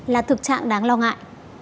là thực trạng đáng lo ngại